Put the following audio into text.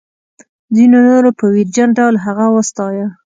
ځینو نورو په ویرجن ډول هغه وستایه.